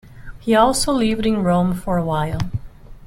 He also lived in Rome for a while.